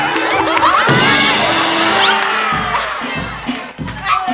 แกอมบ